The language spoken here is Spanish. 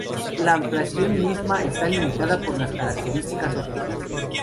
La ampliación misma está limitada por las características ópticas.